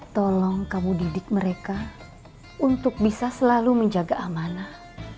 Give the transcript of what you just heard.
tolong kamu didik mereka untuk bisa selalu menjaga amanah